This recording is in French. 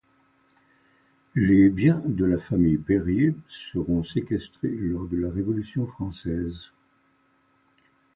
Les biens de la famille Perrier seront séquestrés lors de la Révolution française.